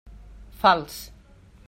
Fals.